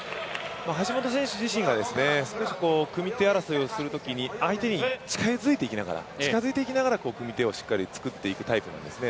橋本選手自身が少し組み手争いをするときに相手に近づいていきながら組み手をしっかりつくっていくタイプなんですね。